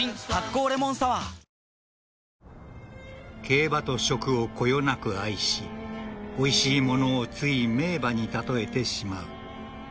［競馬と食をこよなく愛しおいしいものをつい名馬に例えてしまう］